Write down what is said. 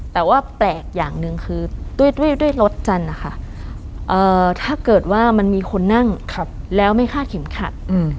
แต่ว่าแปลกอย่างหนึ่งคือด้วยรถจันทร์นะคะถ้าเกิดว่ามันมีคนนั่งแล้วไม่คาดเข็มขัด